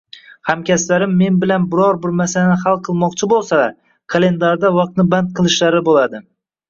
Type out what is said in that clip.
Hamkasblarim men bilan biror bir masalani hal qilmoqchi boʻlsalar kalendarda vaqtni band qilishlari boʻladi.